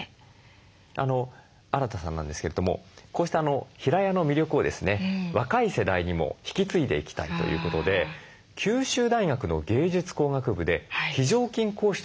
アラタさんなんですけれどもこうした平屋の魅力をですね若い世代にも引き継いでいきたいということで九州大学の芸術工学部で非常勤講師として講義を行っているということなんです。